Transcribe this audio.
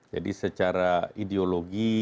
jadi secara ideologi